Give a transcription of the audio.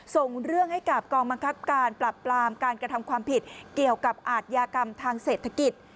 ส่งเรื่องให้กับกองบังคับการปรับปรามการกระทำความผิดเกี่ยวกับอาทยากรรมทางเศรษฐกิจ